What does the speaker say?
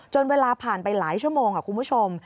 เวลาผ่านไปหลายชั่วโมงคุณผู้ชม